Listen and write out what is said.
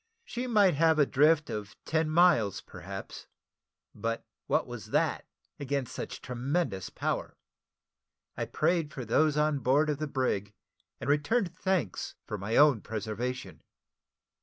She might have a drift of ten miles, perhaps; but what was that against such tremendous power? I prayed for those on board of the brig, and returned thanks for my own preservation.